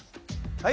はい。